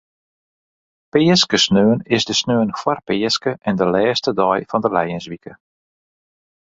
Peaskesaterdei is de saterdei foar Peaske en de lêste dei fan de lijenswike.